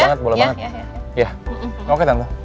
banget boleh banget ya oke tante